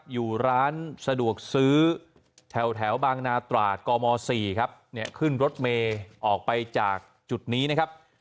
อยู่ร้านสะดวกซื้อแถวบางนาตราดกม๔ครับเนี่ยขึ้นรถเมย์ออกไปจากจุดนี้นะครับ